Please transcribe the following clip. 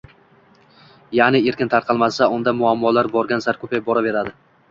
yaʼni erkin tarqalmasa, unda mummolar borgan sayin ko‘payib boraveradi